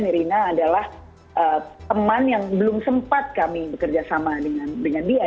nirina adalah teman yang belum sempat kami bekerja sama dengan dia